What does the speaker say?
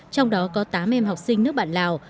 trong đó có tám em học sinh nước bạn lào